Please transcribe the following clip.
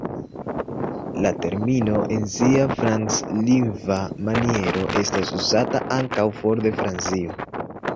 La termino en sia franclingva maniero estas uzata ankaŭ for de Francio.